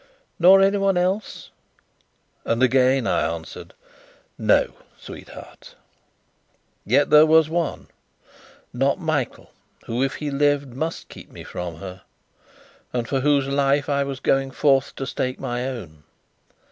"Nor anyone else?" And again I answered: "No, sweetheart." Yet there was one not Michael who, if he lived, must keep me from her; and for whose life I was going forth to stake my own.